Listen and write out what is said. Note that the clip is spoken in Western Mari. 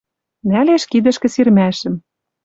Нӓлеш кидӹшкӹ сирмӓшӹм